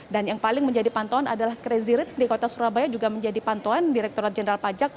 dan yang paling menjadi pantauan adalah crazy reads di kota surabaya juga menjadi pantauan direkturat jenderal pajak